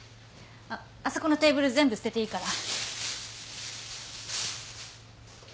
あっあそこのテーブル全部捨てていいから。